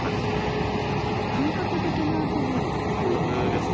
感覚的な部分じゃないですか。